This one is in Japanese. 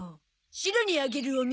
シロにあげるお水。